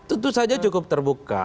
itu saja cukup terbuka